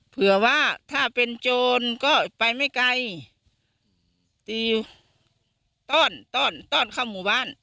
เผื่อว่าถ้าเป็นโจรก็ไปไม่ไกลตีต้อนต้อนต้อนเข้าหมู่บ้าน